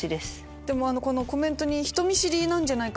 でもコメントに人見知りじゃないか？